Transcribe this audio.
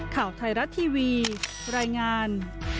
ข่าวไทยรัฐทีวีรายงาน